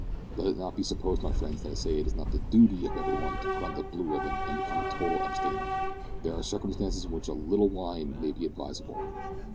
Let it not be supposed, my friends, that I say it is the duty of every one to put on the blue ribbon and become a total abstainer. There are circumstances in which a `little wine' may be advisable.